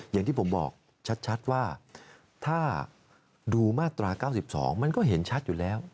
อย่างที่ผมบอกชัดว่าถ้าดูมาตรา๙๒มันก็เห็นชัดอยู่แล้ว